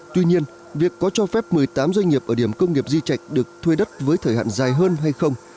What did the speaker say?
tuy nhiên việc có cho phép một mươi tám doanh nghiệp ở điểm công nghiệp di chạch được thuê đất với thời hạn dài hơn hay không